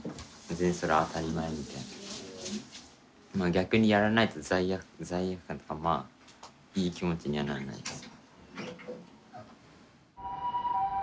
逆にやらないと罪悪感ってかまあいい気持ちにはならないです。